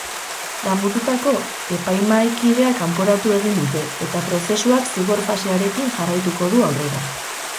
Damututako epaimahaikidea kanporatu egin dute eta prozesuak zigor fasearekin jarraituko du aurrera.